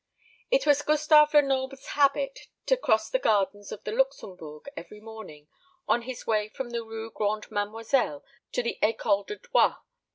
It was Gustave Lenoble's habit to cross the gardens of the Luxembourg every morning, on his way from the Rue Grande Mademoiselle to the Ecole de Droit.